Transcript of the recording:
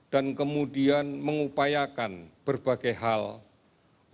dan kemudian mengupayakan berbagai hal yang harus kita lakukan